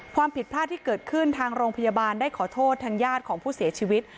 ความผิดพลาดที่เกิดขึ้นทางโรงพยาบาลได้ขอโทษทางญาติของผู้เสียชีวิต